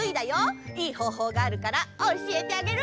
いいほうほうがあるからおしえてあげる！